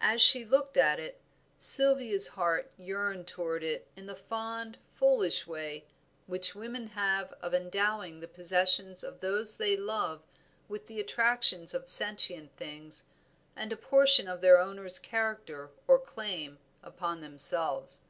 As she looked at it, Sylvia's heart yearned toward it in the fond, foolish way which women have of endowing the possessions of those they love with the attractions of sentient things, and a portion of their owner's character or claim upon themselves.